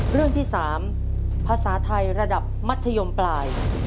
เรื่องที่๓ภาษาไทยระดับมัธยมปลาย